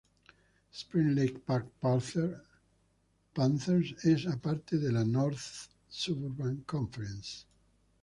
Spring Lake Park Panthers es a parte de la North Suburban Conference.